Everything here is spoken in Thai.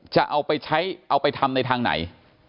จะเอาไปใช้เอาไปทำในทางไหน